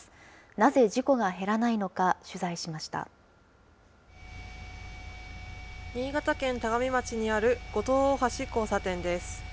なぜ、事故が減らないのか、取材新潟県田上町にある後藤大橋交差点です。